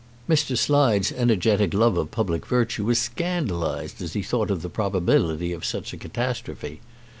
Mr. Slide's energetic love of public virtue was scandalised as he thought of the probability of such a catastrophe.